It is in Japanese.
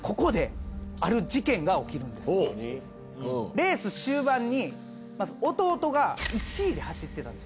レース終盤にまず弟が１位で走ってたんですね。